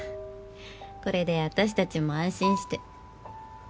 これで私たちも安心して。